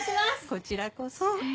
こちらこそ。